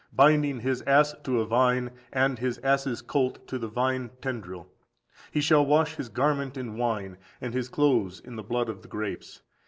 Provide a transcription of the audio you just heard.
Binding his ass to a vine, and his ass's colt to the vine tendril; he shall wash his garment in wine, and his clothes in the blood of the grapes.